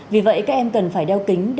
vì vậy các em cần phải đeo kính